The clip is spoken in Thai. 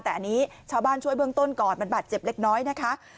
แต่อันนี้ชาวบ้านช่วยเบื้องต้นก่อนมันบาดเจ็บเล็กน้อยนะคะ